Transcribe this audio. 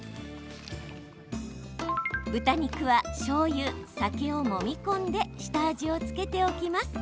豚肉はしょうゆ、酒をもみ込んで下味を付けておきます。